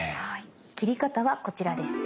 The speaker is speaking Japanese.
切り方はこちらです。